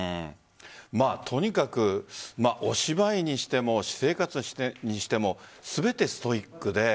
とにかくお芝居にしても私生活にしても全てストイックで。